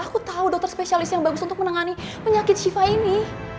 aku tahu dokter spesialis yang bagus untuk menangani penyakit shiva ini